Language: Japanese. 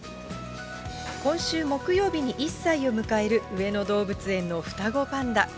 今週木曜日に１歳を迎える、上野動物園の双子パンダ。